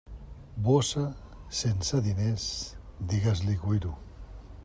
Bossa sense diners, digues-li cuiro.